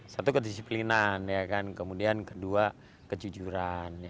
satu kedisiplinan kemudian kedua kejujuran